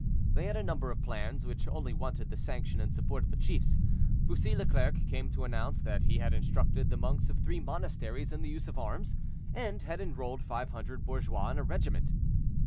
They had a number of plans, which only wanted the sanction and support of the chiefs. Bussy Leclerc came to announce that he had instructed the monks of three monasteries in the use of arms, and had enrolled 500 bourgeois in a regiment.